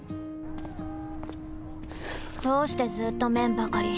どうしてずーっと麺ばかり！